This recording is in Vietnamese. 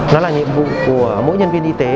đó là nhiệm vụ của mỗi nhân viên y tế